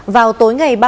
vào tối ngày ba mươi